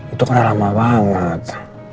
itu karena lama banget